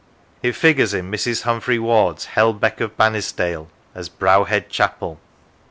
It figures in Mrs. Humphry Ward's " Helbeck of Bannisdale " as " Browhead Chapel."